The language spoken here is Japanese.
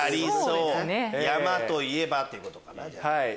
山といえばってことかな？